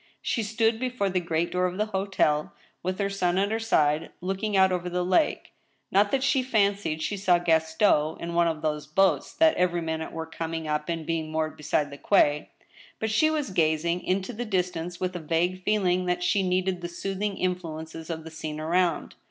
She stood before the great door of the hotel, with her son at her side, look ing out over the lake, not that she fancied she saw Gaston in one of those boats that every minute were coming up and being moored, beside the quay, but she was gazing into the distance, with a vague feeling that she needed the soothing influences of the scene around.